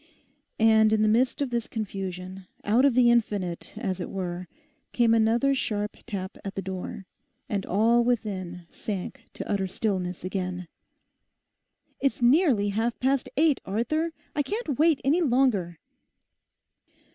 And in the midst of this confusion, out of the infinite, as it were, came another sharp tap at the door, and all within sank to utter stillness again. 'It's nearly half past eight, Arthur; I can't wait any longer.